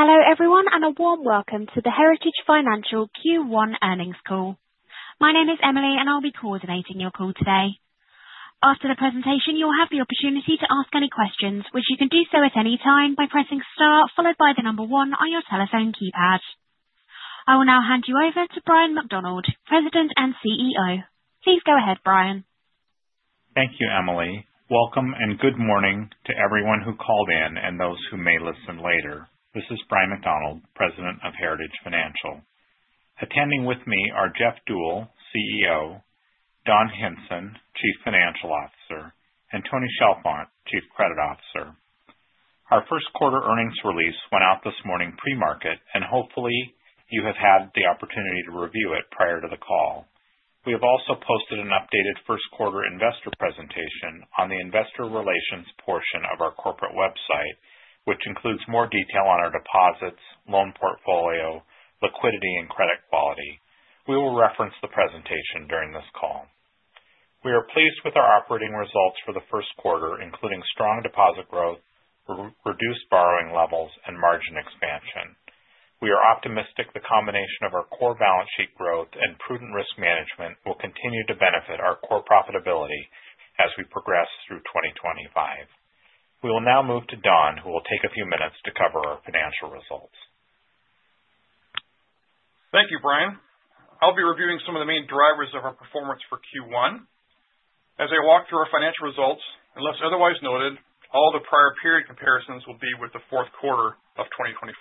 Hello everyone and a warm welcome to the Heritage Financial Q1 Earnings Call. My name is Emily and I'll be coordinating your call today. After the presentation, you'll have the opportunity to ask any questions, which you can do so at any time by pressing star followed by the number one on your telephone keypad. I will now hand you over to Bryan McDonald, President and CEO. Please go ahead, Bryan. Thank you, Emily. Welcome and good morning to everyone who called in and those who may listen later. This is Bryan McDonald, President of Heritage Financial. Attending with me are Jeff Deuel, CEO; Don Hinson, Chief Financial Officer; and Tony Chalfant, Chief Credit Officer. Our first quarter earnings release went out this morning pre-market, and hopefully you have had the opportunity to review it prior to the call. We have also posted an updated first quarter investor presentation on the investor relations portion of our corporate website, which includes more detail on our deposits, loan portfolio, liquidity, and credit quality. We will reference the presentation during this call. We are pleased with our operating results for the first quarter, including strong deposit growth, reduced borrowing levels, and margin expansion. We are optimistic the combination of our core balance sheet growth and prudent risk management will continue to benefit our core profitability as we progress through 2025. We will now move to Don, who will take a few minutes to cover our financial results. Thank you, Bryan. I'll be reviewing some of the main drivers of our performance for Q1. As I walk through our financial results, unless otherwise noted, all the prior period comparisons will be with the Fourth Quarter of 2024.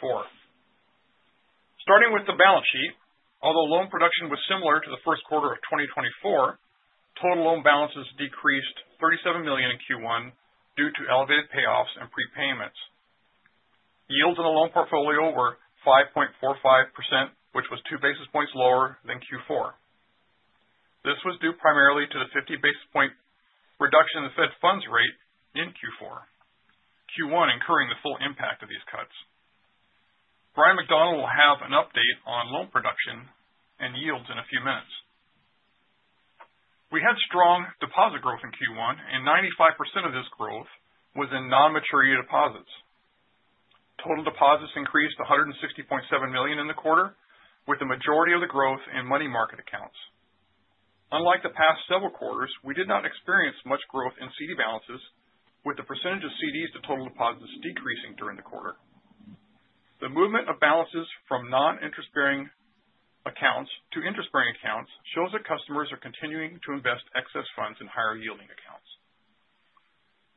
Starting with the balance sheet, although loan production was similar to the First Quarter of 2024, total loan balances decreased $37 million in Q1 due to elevated payoffs and prepayments. Yields on the loan portfolio were 5.45%, which was two basis points lower than Q4. This was due primarily to the 50 basis point reduction in the Fed funds rate in Q4. Q1 incurring the full impact of these cuts. Bryan McDonald will have an update on loan production and yields in a few minutes. We had strong deposit growth in Q1, and 95% of this growth was in non-maturity deposits. Total deposits increased to $160.7 million in the quarter, with the majority of the growth in money market accounts. Unlike the past several quarters, we did not experience much growth in CD balances, with the percentage of CDs to total deposits decreasing during the quarter. The movement of balances from non-interest-bearing accounts to interest-bearing accounts shows that customers are continuing to invest excess funds in higher yielding accounts.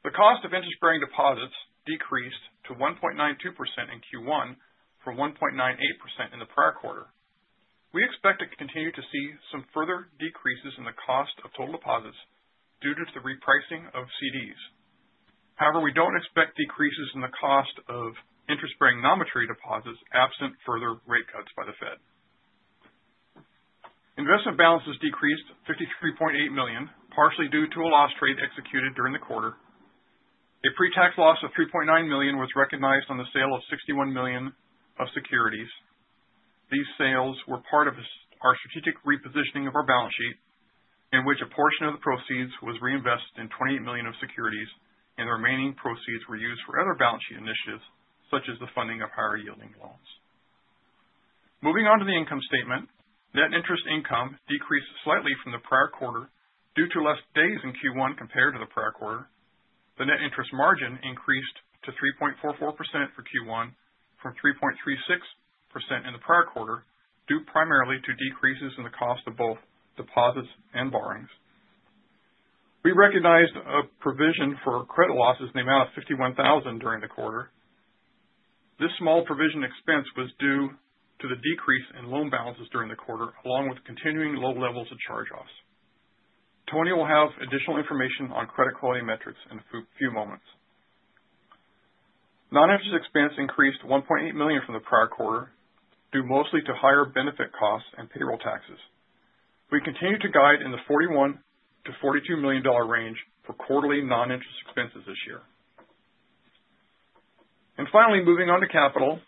The cost of interest-bearing deposits decreased to 1.92% in Q1 from 1.98% in the prior quarter. We expect to continue to see some further decreases in the cost of total deposits due to the repricing of CDs. However, we don't expect decreases in the cost of interest-bearing non-maturity deposits absent further rate cuts by the Fed. Investment balances decreased $53.8 million, partially due to a loss trade executed during the quarter. A pre-tax loss of $3.9 million was recognized on the sale of $61 million of securities. These sales were part of our strategic repositioning of our balance sheet, in which a portion of the proceeds was reinvested in $28 million of securities, and the remaining proceeds were used for other balance sheet initiatives, such as the funding of higher yielding loans. Moving on to the income statement, net interest income decreased slightly from the prior quarter due to less days in Q1 compared to the prior quarter. The Net Interest Margin increased to 3.44% for Q1 from 3.36% in the prior quarter, due primarily to decreases in the cost of both deposits and borrowings. We recognized a provision for credit losses in the amount of $51,000 during the quarter. This small provision expense was due to the decrease in loan balances during the quarter, along with continuing low levels of charge-offs. Tony will have additional information on credit quality metrics in a few moments. Non-interest expense increased $1.8 million from the prior quarter, due mostly to higher benefit costs and payroll taxes. We continue to guide in the $41-$42 million range for quarterly non-interest expenses this year. Finally, moving on to capital,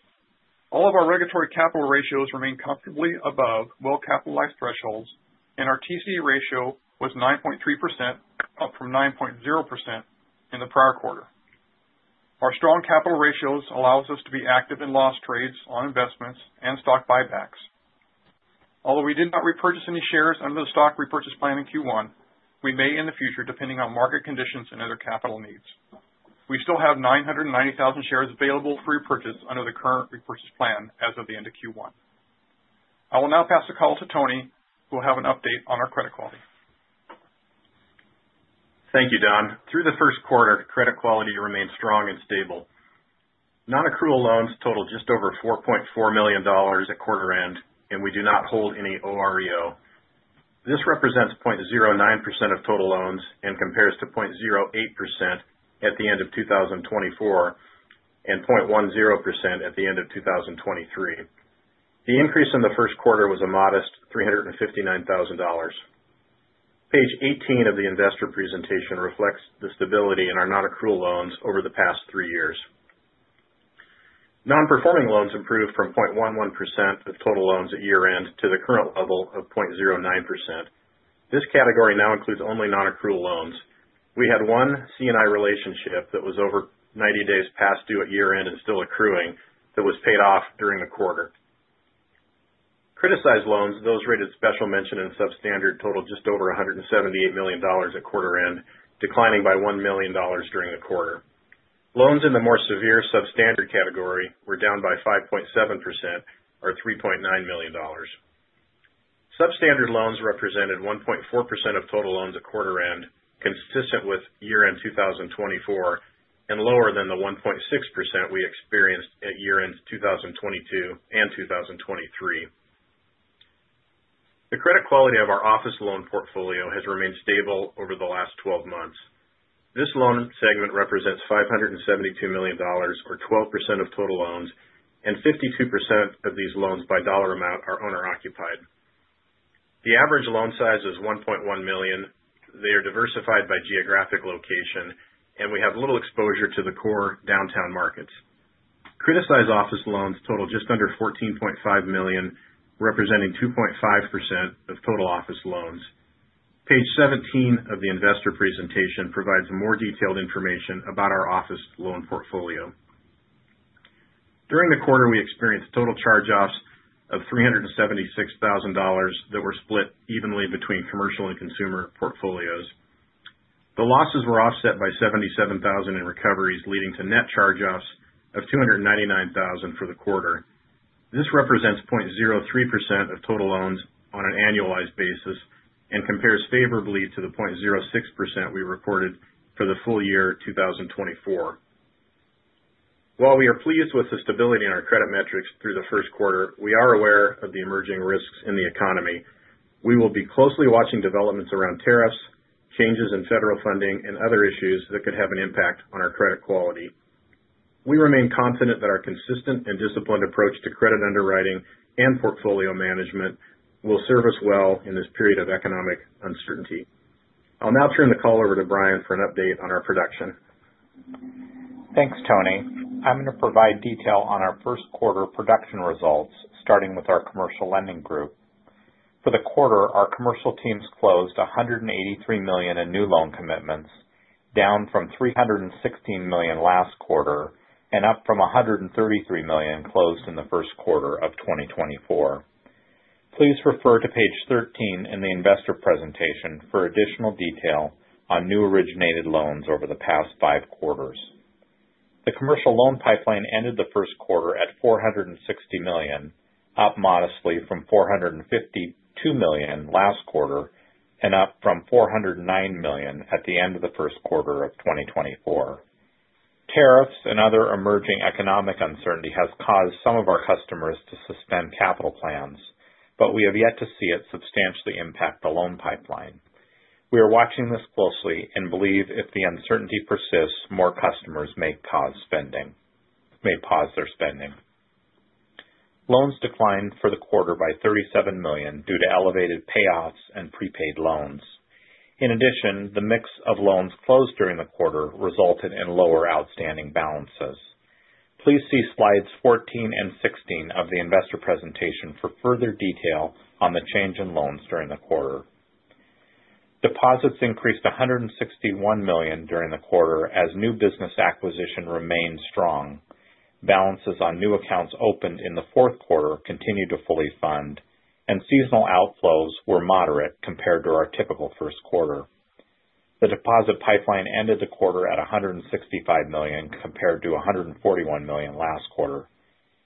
all of our regulatory capital ratios remain comfortably above well-capitalized thresholds, and our TCE ratio was 9.3%, up from 9.0% in the prior quarter. Our strong capital ratios allow us to be active in loss trades on investments and stock buybacks. Although we did not repurchase any shares under the stock repurchase plan in Q1, we may in the future, depending on market conditions and other capital needs. We still have 990,000 shares available for repurchase under the current repurchase plan as of the end of Q1. I will now pass the call to Tony, who will have an update on our credit quality. Thank you, Don. Through the First Quarter, credit quality remained strong and stable. Non-accrual loans totaled just over $4.4 million at quarter end, and we do not hold any OREO. This represents 0.09% of total loans and compares to 0.08% at the end of 2024 and 0.10% at the end of 2023. The increase in the First Quarter was a modest $359,000. Page 18 of the investor presentation reflects the stability in our non-accrual loans over the past three years. Non-performing loans improved from 0.11% of total loans at year end to the current level of 0.09%. This category now includes only non-accrual loans. We had one C&I relationship that was over 90 days past due at year end and still accruing, that was paid off during the quarter. Criticized loans, those rated special mention and substandard, totaled just over $178 million at quarter end, declining by $1 million during the quarter. Loans in the more severe substandard category were down by 5.7%, or $3.9 million. Substandard loans represented 1.4% of total loans at quarter end, consistent with year end 2024, and lower than the 1.6% we experienced at year end 2022 and 2023. The credit quality of our office loan portfolio has remained stable over the last 12 months. This loan segment represents $572 million, or 12% of total loans, and 52% of these loans by dollar amount are owner-occupied. The average loan size is $1.1 million. They are diversified by geographic location, and we have little exposure to the core downtown markets. Criticized office loans total just under $14.5 million, representing 2.5% of total office loans. Page 17 of the investor presentation provides more detailed information about our office loan portfolio. During the quarter, we experienced total charge-offs of $376,000 that were split evenly between commercial and consumer portfolios. The losses were offset by $77,000 in recoveries, leading to net charge-offs of $299,000 for the quarter. This represents 0.03% of total loans on an annualized basis and compares favorably to the 0.06% we recorded for the Full Year 2024. While we are pleased with the stability in our credit metrics through the First Quarter, we are aware of the emerging risks in the economy. We will be closely watching developments around tariffs, changes in federal funding, and other issues that could have an impact on our credit quality. We remain confident that our consistent and disciplined approach to credit underwriting and portfolio management will serve us well in this period of economic uncertainty. I'll now turn the call over to Bryan for an update on our production. Thanks, Tony. I'm going to provide detail on our First Quarter production results, starting with our Commercial Lending Group. For the quarter, our commercial teams closed $183 million in new loan commitments, down from $316 million Last Quarter and up from $133 million closed in the First Quarter of 2024. Please refer to page 13 in the investor presentation for additional detail on new originated loans over the past five quarters. The commercial loan pipeline ended the first quarter at $460 million, up modestly from $452 million Last Quarter and up from $409 million at the end of the First Quarter of 2024. Tariffs and other emerging economic uncertainty have caused some of our customers to suspend capital plans, but we have yet to see it substantially impact the loan pipeline. We are watching this closely and believe if the uncertainty persists, more customers may pause their spending. Loans declined for the quarter by $37 million due to elevated payoffs and prepaid loans. In addition, the mix of loans closed during the quarter resulted in lower outstanding balances. Please see slides 14 and 16 of the investor presentation for further detail on the change in loans during the quarter. Deposits increased $161 million during the quarter as new business acquisition remained strong. Balances on new accounts opened in the Fourth Quarter continued to fully fund, and seasonal outflows were moderate compared to our typical First Quarter. The deposit pipeline ended the quarter at $165 million compared to $141 million last quarter,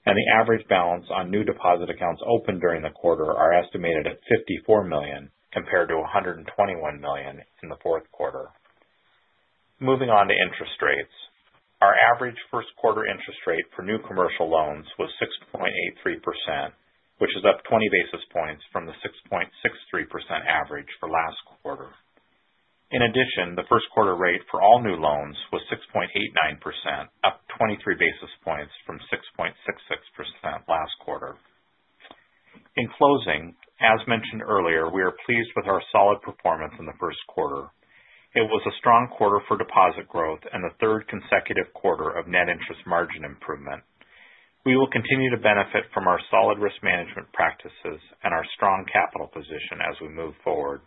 and the average balance on new deposit accounts opened during the quarter is estimated at $54 million compared to $121 million in the Fourth Quarter. Moving on to interest rates, our average First Quarter interest rate for new commercial loans was 6.83%, which is up 20 basis points from the 6.63% average for last quarter. In addition, the First Quarter rate for all new loans was 6.89%, up 23 basis points from 6.66% last quarter. In closing, as mentioned earlier, we are pleased with our solid performance in the First Quarter. It was a strong quarter for deposit growth and the third consecutive quarter of net interest margin improvement. We will continue to benefit from our solid risk management practices and our strong capital position as we move forward.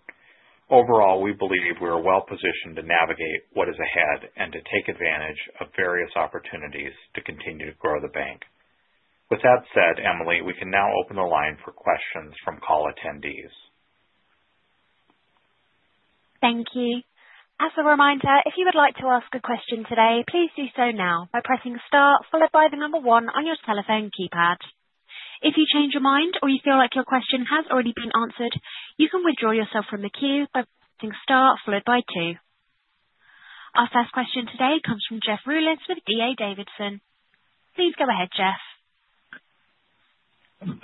Overall, we believe we are well positioned to navigate what is ahead and to take advantage of various opportunities to continue to grow the bank. With that said, Emily, we can now open the line for questions from call attendees. Thank you. As a reminder, if you would like to ask a question today, please do so now by pressing star followed by the number one on your telephone keypad. If you change your mind or you feel like your question has already been answered, you can withdraw yourself from the queue by pressing star followed by two. Our first question today comes from Jeff Rulis with D.A. Davidson. Please go ahead, Jeff.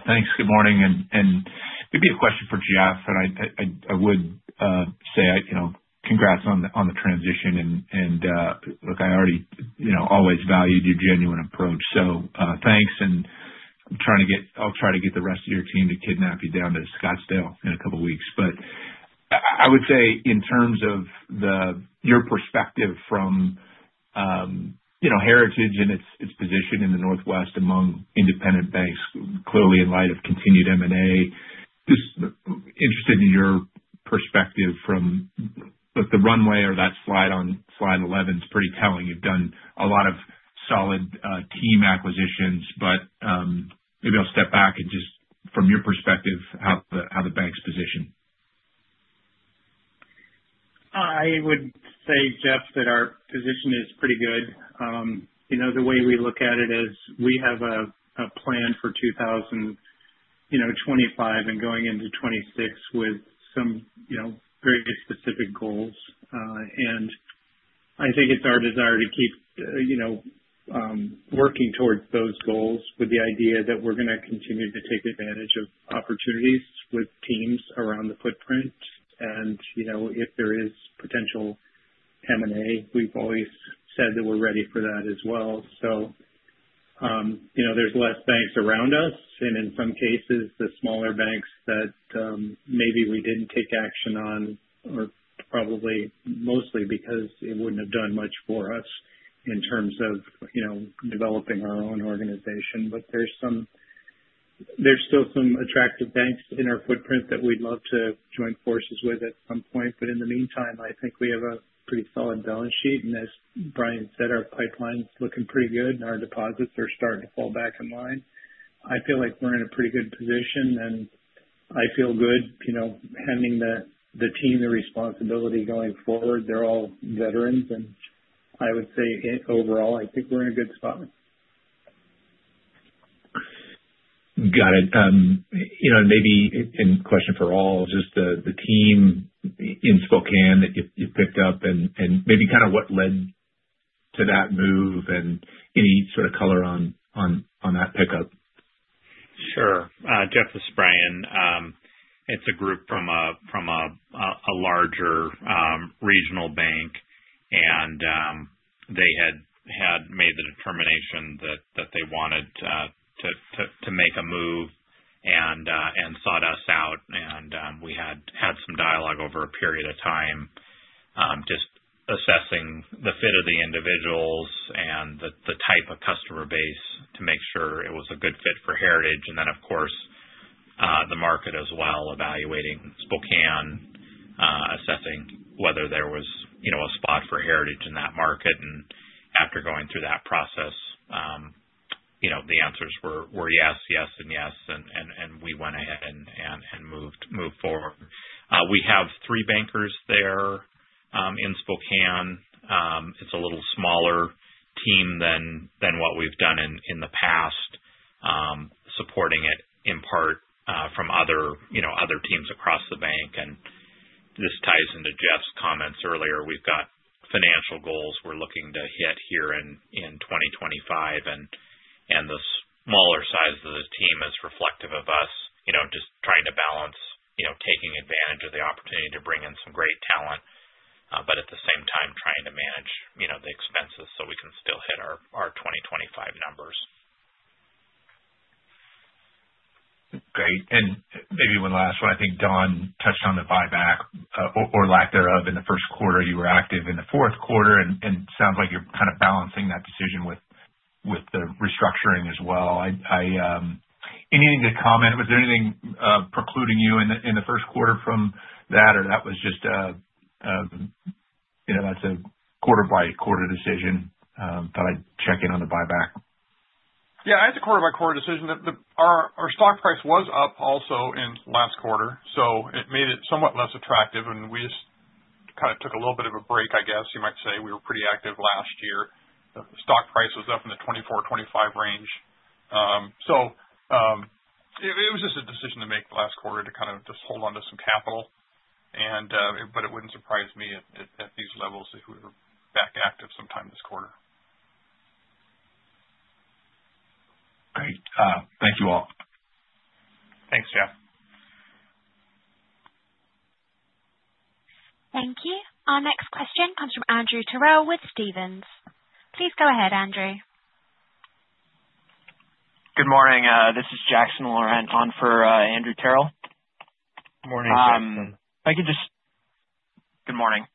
Thanks. Good morning. It'd be a question for Jeff, and I would say congrats on the transition. I already always valued your genuine approach, so thanks. I'll try to get the rest of your team to kidnap you down to Scottsdale in a couple of weeks. I would say in terms of your perspective from Heritage and its position in the Northwest among independent banks, clearly in light of continued M&A, just interested in your perspective from the runway or that slide on slide 11 is pretty telling. You've done a lot of solid team acquisitions, but maybe I'll step back and just from your perspective, how the bank's position. I would say, Jeff, that our position is pretty good. The way we look at it is we have a plan for 2025 and going into 2026 with some very specific goals. I think it's our desire to keep working towards those goals with the idea that we're going to continue to take advantage of opportunities with teams around the footprint. If there is potential M&A, we've always said that we're ready for that as well. There are less banks around us, and in some cases, the smaller banks that maybe we didn't take action on are probably mostly because it wouldn't have done much for us in terms of developing our own organization. There are still some attractive banks in our footprint that we'd love to join forces with at some point. In the meantime, I think we have a pretty solid balance sheet. As Bryan said, our pipeline is looking pretty good, and our deposits are starting to fall back in line. I feel like we're in a pretty good position, and I feel good handing the team the responsibility going forward. They're all veterans, and I would say overall, I think we're in a good spot. Got it. Maybe a question for all, just the team in Spokane that you picked up and maybe kind of what led to that move and any sort of color on that pickup. Sure. Jeff, this is Bryan. It's a group from a larger regional bank, and they had made the determination that they wanted to make a move and sought us out. We had some dialogue over a period of time, just assessing the fit of the individuals and the type of customer base to make sure it was a good fit for Heritage. The market as well, evaluating Spokane, assessing whether there was a spot for Heritage in that market. After going through that process, the answers were yes, yes, and yes, and we went ahead and moved forward. We have three bankers there in Spokane. It's a little smaller team than what we've done in the past, supporting it in part from other teams across the bank. This ties into Jeff's comments earlier. We've got financial goals we're looking to hit here in 2025, and the smaller size of the team is reflective of us just trying to balance taking advantage of the opportunity to bring in some great talent, but at the same time, trying to manage the expenses so we can still hit our 2025 numbers. Great. Maybe one last one. I think Don touched on the buyback or lack thereof in the first quarter. You were active in the Fourth Quarter, and it sounds like you're kind of balancing that decision with the restructuring as well. Anything to comment? Was there anything precluding you in the First Quarter from that, or that was just a quarter-by-quarter decision? Thought I'd check in on the buyback. Yeah, it's a quarter-by-quarter decision. Our stock price was up also in last quarter, so it made it somewhat less attractive. We just kind of took a little bit of a break, I guess you might say. We were pretty active last year. The stock price was up in the $24-$25 range. It was just a decision to make last quarter to kind of just hold on to some capital, but it wouldn't surprise me at these levels if we were back active sometime this quarter. Great. Thank you all. Thanks, Jeff. Thank you. Our next question comes from Andrew Terrell with Stephens. Please go ahead, Andrew. Good morning. This is Jackson Laurent on for Andrew Terrell. Morning, Jackson. If I could just. Good morning.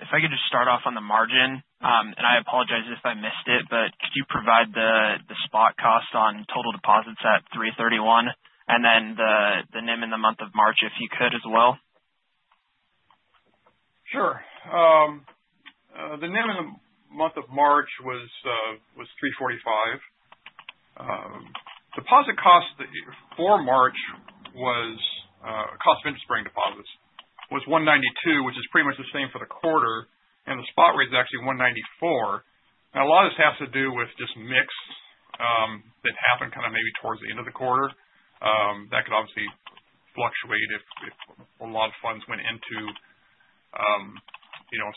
If I could just start off on the margin, and I apologize if I missed it, but could you provide the spot cost on total deposits at $3.31 billion and then the NIM in the month of March if you could as well? Sure. The NIM in the month of March was 345. Deposit cost for March was cost of interest-bearing deposits was 192, which is pretty much the same for the quarter, and the spot rate is actually 194. Now, a lot of this has to do with just mix that happened kind of maybe towards the end of the quarter. That could obviously fluctuate if a lot of funds went into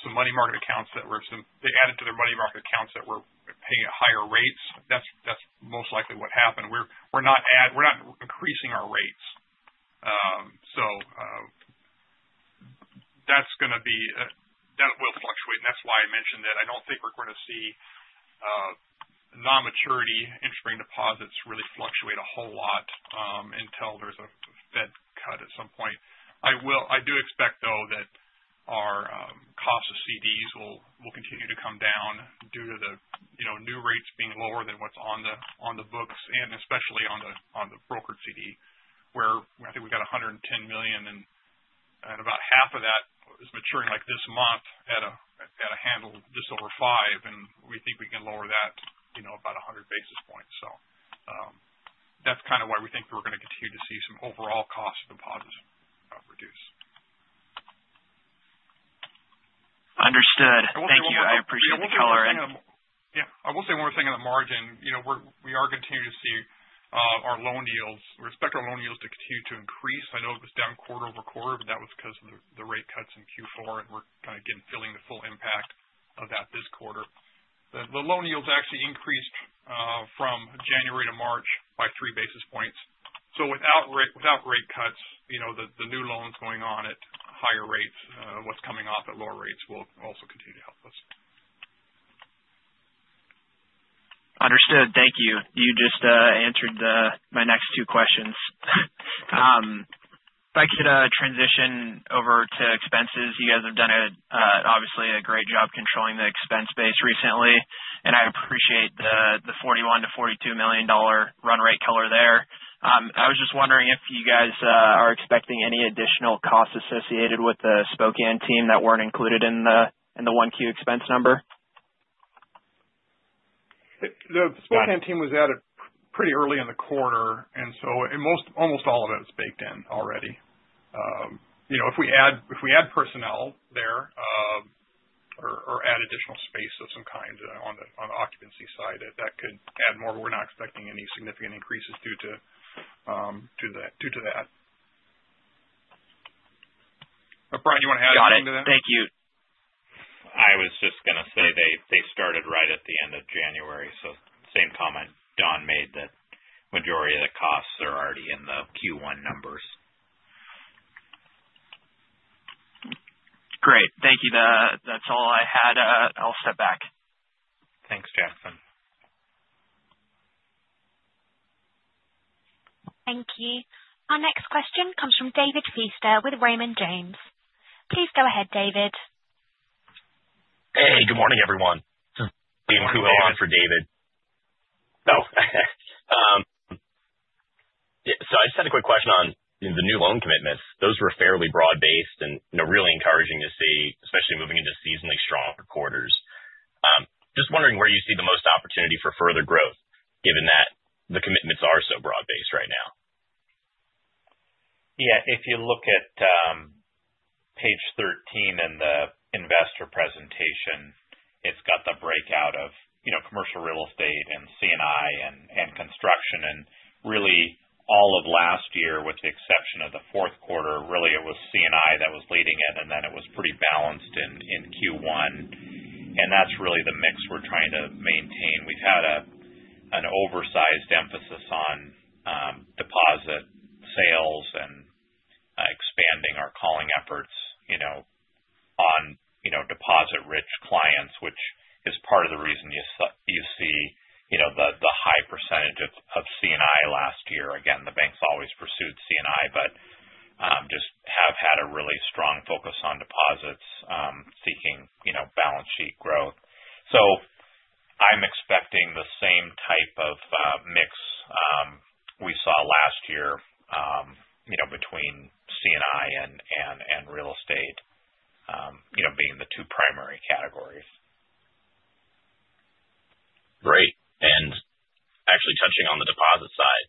some money market accounts that were they added to their money market accounts that were paying at higher rates. That's most likely what happened. We're not increasing our rates. That will fluctuate. That's why I mentioned that I don't think we're going to see non-maturity interest-bearing deposits really fluctuate a whole lot until there's a Fed cut at some point. I do expect, though, that our cost of CDs will continue to come down due to the new rates being lower than what's on the books, and especially on the brokered CD, where I think we got $110 million, and about half of that is maturing this month at a handle just over five. We think we can lower that about 100 basis points. That is kind of why we think we are going to continue to see some overall cost of deposits reduce. Understood. Thank you. I appreciate the color. Yeah. I will say one more thing on the margin. We are continuing to see our loan yields. We expect our loan yields to continue to increase. I know it was down quarter over quarter, but that was because of the rate cuts in Q4, and we're kind of feeling the full impact of that this quarter. The loan yields actually increased from January to March by three basis points. Without rate cuts, the new loans going on at higher rates, what's coming off at lower rates will also continue to help us. Understood. Thank you. You just answered my next two questions. If I could transition over to expenses, you guys have done, obviously, a great job controlling the expense base recently, and I appreciate the $41-$42 million run rate color there. I was just wondering if you guys are expecting any additional costs associated with the Spokane team that weren't included in the First Quarter expense number? The Spokane team was added pretty early in the quarter, and so almost all of it is baked in already. If we add personnel there or add additional space of some kind on the occupancy side, that could add more. We're not expecting any significant increases due to that. Bryan, you want to add anything to that? Got it. Thank you. I was just going to say they started right at the end of January. Same comment Don made that majority of the costs are already in the Q1 numbers. Great. Thank you. That's all I had. I'll step back. Thanks, Jackson. Thank you. Our next question comes from David Feaster with Raymond James. Please go ahead, David. Hey, good morning, everyone. This is for David. I just had a quick question on the new loan commitments. Those were fairly broad-based and really encouraging to see, especially moving into seasonally strong quarters. Just wondering where you see the most opportunity for further growth, given that the commitments are so broad-based right now. Yeah. If you look at page 13 in the investor presentation, it's got the breakout of Commercial Real Estate and C&I and construction and really all of last year with the exception of the Fourth Quarter. Really, it was C&I that was leading it, and then it was pretty balanced in Q1. That is really the mix we're trying to maintain. We've had an oversized emphasis on deposit sales and expanding our calling efforts on deposit-rich clients, which is part of the reason you see the high percentage of C&I last year. The banks always pursued C&I, but just have had a really strong focus on deposits seeking balance sheet growth. I'm expecting the same type of mix we saw last year between C&I and real estate being the two primary categories. Great. Actually, touching on the deposit side,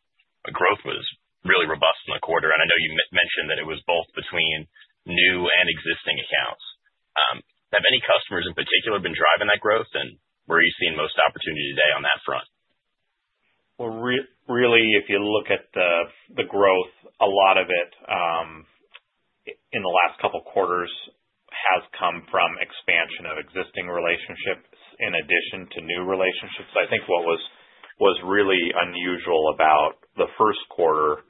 growth was really robust in the quarter. I know you mentioned that it was both between new and existing accounts. Have any customers in particular been driving that growth, and where are you seeing most opportunity today on that front? If you look at the growth, a lot of it in the last couple of quarters has come from expansion of existing relationships in addition to new relationships. I think what was really unusual about the First Quarter,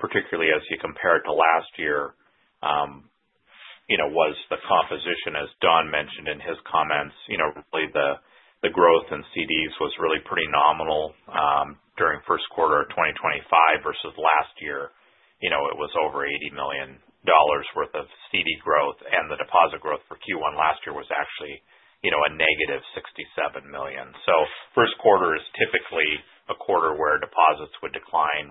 particularly as you compare it to last year, was the composition, as Don mentioned in his comments. Really, the growth in CDs was really pretty nominal during First Quarter of 2025 versus last year. It was over $80 million worth of CD growth, and the deposit growth for Q1 last year was actually a negative $67 million. First Quarter is typically a quarter where deposits would decline,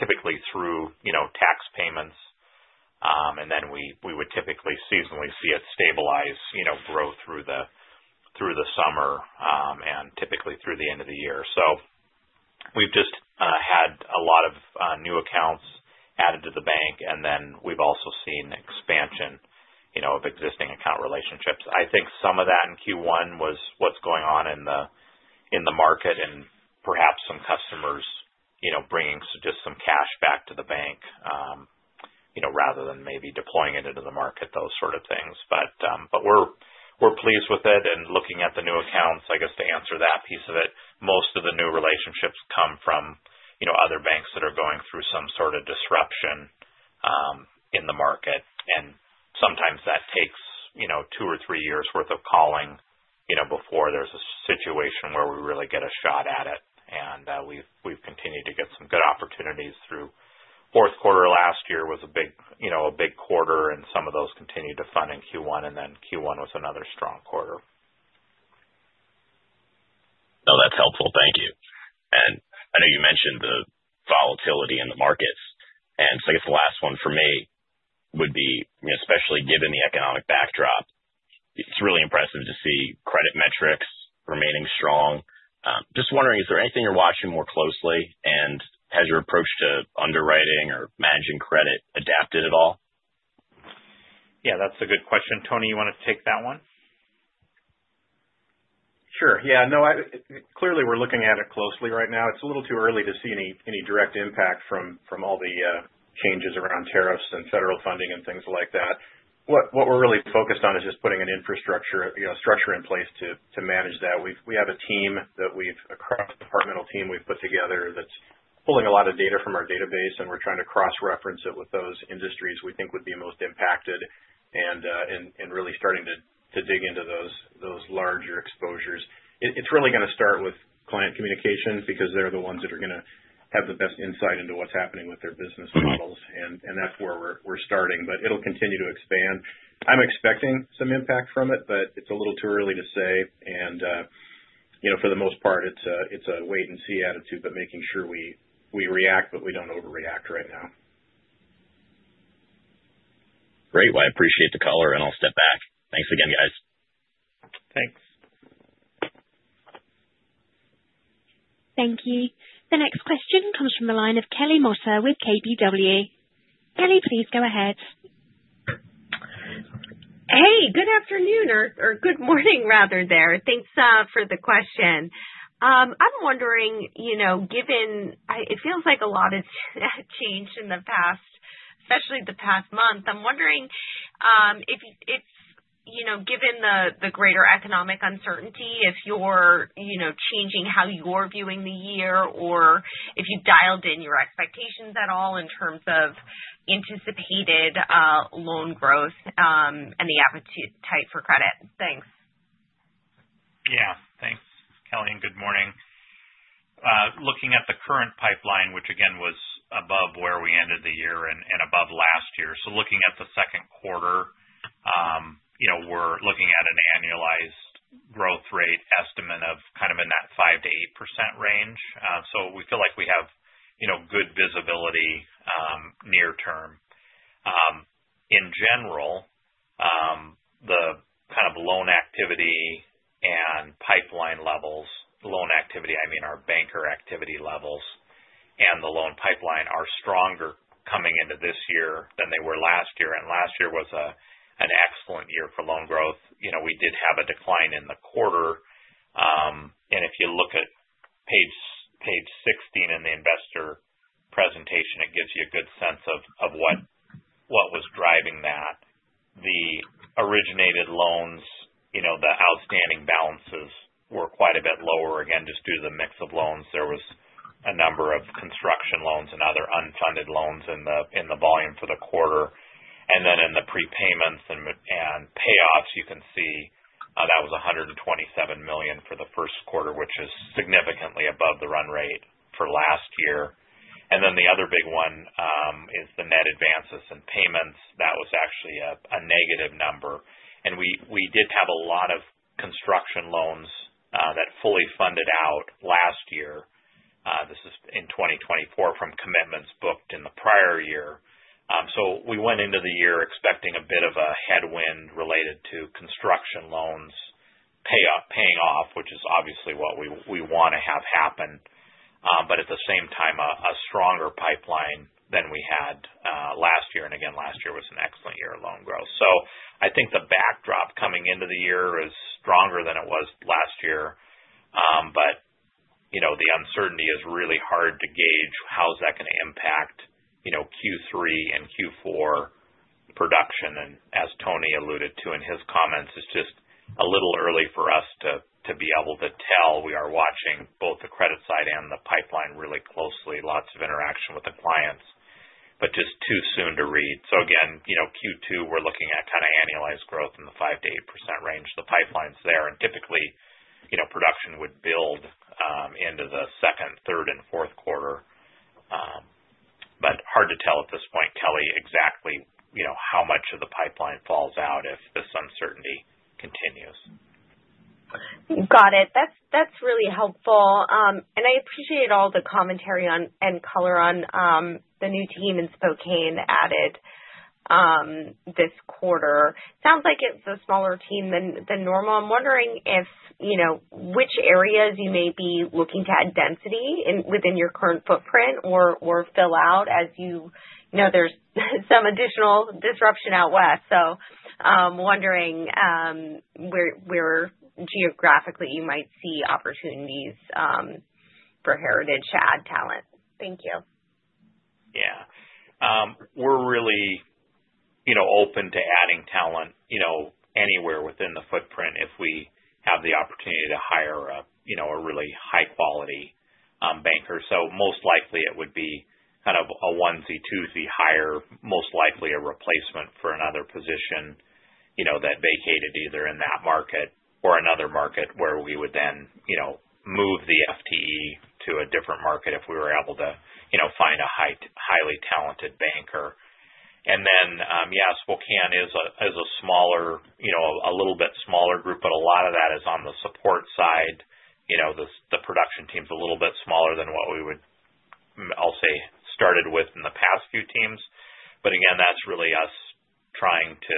typically through tax payments. We would typically seasonally see it stabilize growth through the summer and typically through the end of the year. We have just had a lot of new accounts added to the bank, and then we have also seen expansion of existing account relationships. I think some of that in Q1 was what is going on in the market and perhaps some customers bringing just some cash back to the bank rather than maybe deploying it into the market, those sort of things. We are pleased with it. Looking at the new accounts, I guess to answer that piece of it, most of the new relationships come from other banks that are going through some sort of disruption in the market. Sometimes that takes two or three years' worth of calling before there is a situation where we really get a shot at it. We have continued to get some good opportunities through the Fourth Quarter last year. Last year was a big quarter, and some of those continued to fund in Q1, and then Q1 was another strong quarter. No, that's helpful. Thank you. I know you mentioned the volatility in the markets. I guess the last one for me would be, especially given the economic backdrop, it's really impressive to see credit metrics remaining strong. Just wondering, is there anything you're watching more closely, and has your approach to underwriting or managing credit adapted at all? Yeah, that's a good question. Tony, you want to take that one? Sure. Yeah. No, clearly, we're looking at it closely right now. It's a little too early to see any direct impact from all the changes around tariffs and federal funding and things like that. What we're really focused on is just putting an infrastructure in place to manage that. We have a cross-departmental team we've put together that's pulling a lot of data from our database, and we're trying to cross-reference it with those industries we think would be most impacted and really starting to dig into those larger exposures. It's really going to start with client communications because they're the ones that are going to have the best insight into what's happening with their business models, and that's where we're starting. It'll continue to expand. I'm expecting some impact from it, but it's a little too early to say. For the most part, it's a wait-and-see attitude, but making sure we react, but we don't overreact right now. Great. I appreciate the color, and I'll step back. Thanks again, guys. Thanks. Thank you. The next question comes from the line of Kelly Motta with KBW. Kelly, please go ahead. Hey, good afternoon or good morning rather there. Thanks for the question. I'm wondering, given it feels like a lot has changed in the past, especially the past month, I'm wondering if, given the greater economic uncertainty, if you're changing how you're viewing the year or if you've dialed in your expectations at all in terms of anticipated loan growth and the appetite for credit. Thanks. Yeah. Thanks, Kelly, and good morning. Looking at the current pipeline, which again was above where we ended the year and above last year. Looking at the Second Quarter, we're looking at an annualized growth rate estimate of kind of in that 5-8% range. We feel like we have good visibility near term. In general, the kind of loan activity and pipeline levels—I mean our banker activity levels—and the loan pipeline are stronger coming into this year than they were last year. Last year was an excellent year for loan growth. We did have a decline in the quarter. If you look at page 16 in the investor presentation, it gives you a good sense of what was driving that. The originated loans, the outstanding balances were quite a bit lower. Again, just due to the mix of loans, there was a number of construction loans and other unfunded loans in the volume for the quarter. In the prepayments and payoffs, you can see that was $127 million for the First Quarter, which is significantly above the run rate for last year. The other big one is the net advances and payments. That was actually a negative number. We did have a lot of construction loans that fully funded out last year. This is in 2024 from commitments booked in the prior year. We went into the year expecting a bit of a headwind related to construction loans paying off, which is obviously what we want to have happen, but at the same time, a stronger pipeline than we had last year. Last year was an excellent year of loan growth. I think the backdrop coming into the year is stronger than it was last year. The uncertainty is really hard to gauge how is that going to impact Q3 and Q4 production. As Tony alluded to in his comments, it's just a little early for us to be able to tell. We are watching both the credit side and the pipeline really closely, lots of interaction with the clients, but just too soon to read. Again, Q2, we're looking at kind of annualized growth in the 5-8% range. The pipeline's there. Typically, production would build into the second, third, and fourth quarter. Hard to tell at this point, Kelly, exactly how much of the pipeline falls out if this uncertainty continues. Got it. That's really helpful. I appreciate all the commentary and color on the new team in Spokane added this quarter. Sounds like it's a smaller team than normal. I'm wondering which areas you may be looking to add density within your current footprint or fill out as you know there's some additional disruption out west. I'm wondering where geographically you might see opportunities for Heritage to add talent. Thank you. Yeah. We're really open to adding talent anywhere within the footprint if we have the opportunity to hire a really high-quality banker. Most likely, it would be kind of a onesie, twosie hire, most likely a replacement for another position that vacated either in that market or another market where we would then move the FTE to a different market if we were able to find a highly talented banker. Spokane is a smaller, a little bit smaller group, but a lot of that is on the support side. The production team's a little bit smaller than what we would, I'll say, started with in the past few teams. Again, that's really us trying to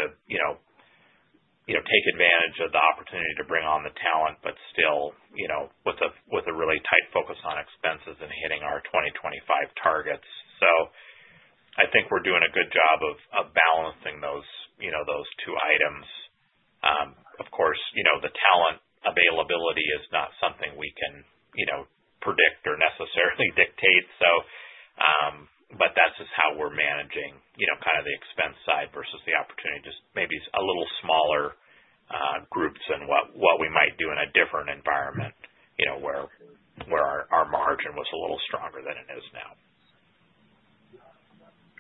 take advantage of the opportunity to bring on the talent, but still with a really tight focus on expenses and hitting our 2025 targets. I think we're doing a good job of balancing those two items. Of course, the talent availability is not something we can predict or necessarily dictate. That is just how we're managing kind of the expense side versus the opportunity, just maybe a little smaller groups than what we might do in a different environment where our margin was a little stronger than it is now.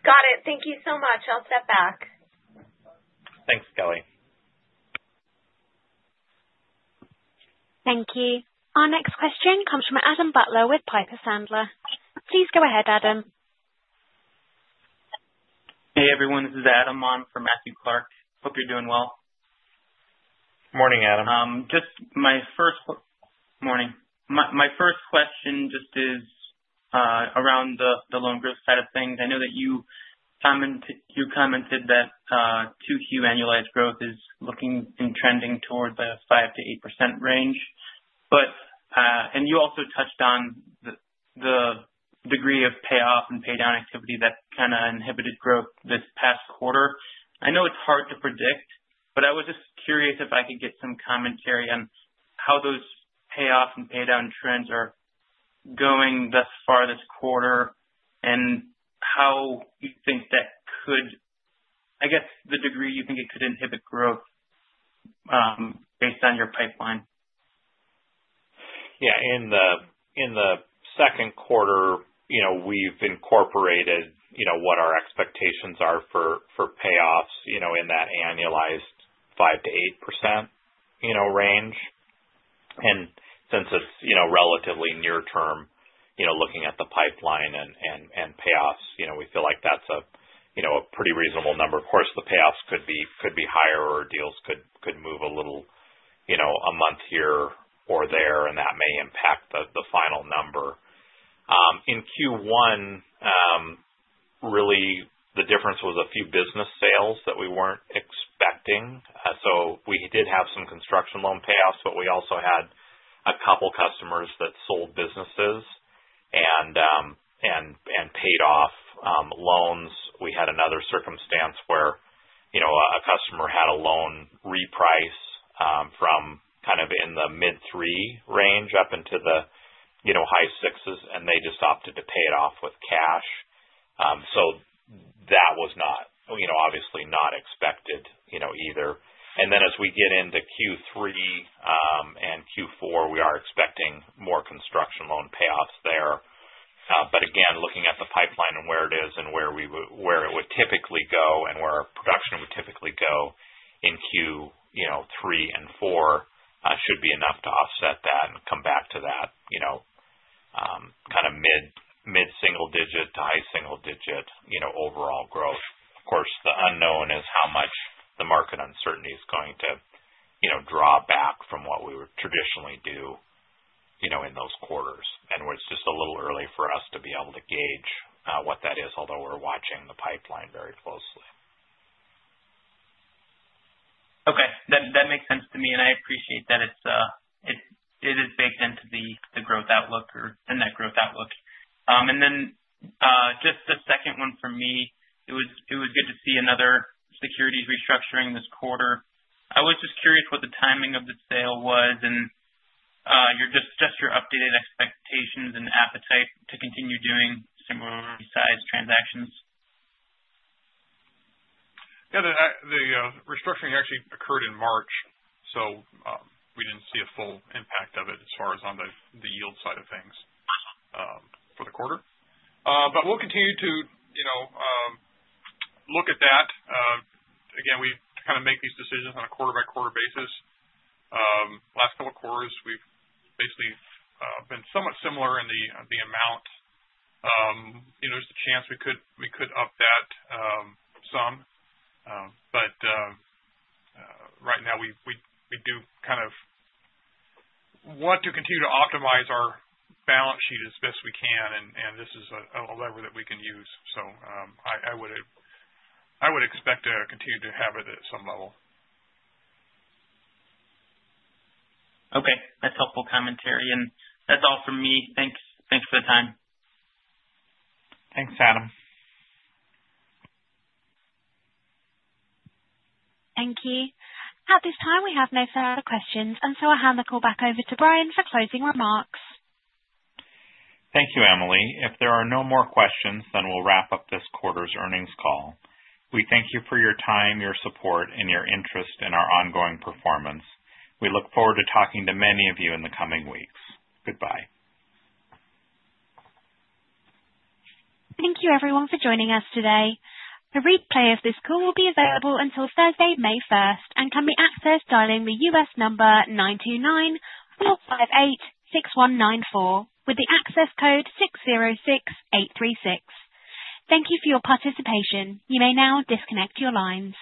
Got it. Thank you so much. I'll step back. Thanks, Kelly. Thank you. Our next question comes from Adam Butler with Piper Sandler. Please go ahead, Adam. Hey, everyone. This is Adam. I'm for Matthew Clark. Hope you're doing well. Morning, Adam. Just my first morning. My first question just is around the loan growth side of things. I know that you commented that Q2 annualized growth is looking and trending towards a 5-8% range. You also touched on the degree of payoff and paydown activity that kind of inhibited growth this past quarter. I know it's hard to predict, but I was just curious if I could get some commentary on how those payoff and paydown trends are going thus far this quarter and how you think that could, I guess, the degree you think it could inhibit growth based on your pipeline. Yeah. In the Second Quarter, we've incorporated what our expectations are for payoffs in that annualized 5-8% range. Since it's relatively near term, looking at the pipeline and payoffs, we feel like that's a pretty reasonable number. Of course, the payoffs could be higher or deals could move a little a month here or there, and that may impact the final number. In Q1, really, the difference was a few business sales that we weren't expecting. We did have some construction loan payoffs, but we also had a couple of customers that sold businesses and paid off loans. We had another circumstance where a customer had a loan reprice from kind of in the mid-three range up into the high sixes, and they just opted to pay it off with cash. That was obviously not expected either. As we get into Q3 and Q4, we are expecting more construction loan payoffs there. Again, looking at the pipeline and where it is and where it would typically go and where production would typically go in Q3 and Q4 should be enough to offset that and come back to that kind of mid-single digit to high single digit overall growth. Of course, the unknown is how much the market uncertainty is going to draw back from what we would traditionally do in those quarters. It is just a little early for us to be able to gauge what that is, although we are watching the pipeline very closely. Okay. That makes sense to me, and I appreciate that it is baked into the growth outlook or the net growth outlook. The second one for me, it was good to see another security restructuring this quarter. I was just curious what the timing of the sale was and just your updated expectations and appetite to continue doing similar-sized transactions. Yeah. The restructuring actually occurred in March, so we did not see a full impact of it as far as on the yield side of things for the quarter. We will continue to look at that. Again, we kind of make these decisions on a quarter-by-quarter basis. Last couple of quarters, we have basically been somewhat similar in the amount. There is the chance we could up that some. Right now, we do want to continue to optimize our balance sheet as best we can, and this is a lever that we can use. I would expect to continue to have it at some level. Okay. That's helpful commentary. That's all for me. Thanks for the time. Thanks, Adam. Thank you. At this time, we have no further questions. I will hand the call back over to Bryan for closing remarks. Thank you, Emily. If there are no more questions, then we'll wrap up this quarter's earnings call. We thank you for your time, your support, and your interest in our ongoing performance. We look forward to talking to many of you in the coming weeks. Goodbye. Thank you, everyone, for joining us today. A replay of this call will be available until Thursday, May 1, and can be accessed by the U.S. number 929-458-6194 with the access code 606836. Thank you for your participation. You may now disconnect your lines.